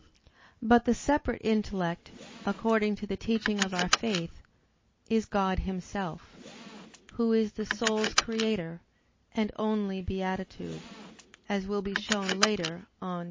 But the separate intellect, according to the teaching of our faith, is God Himself, Who is the soul's Creator, and only beatitude; as will be shown later on (Q.